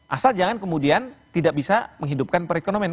asal jangan kemudian tidak bisa menghidupkan perekonomian